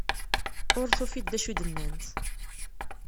Ur tufiḍ d acu i d-nnant.